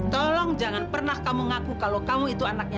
tolong jangan pernah kamu ngaku kalau kamu itu anaknya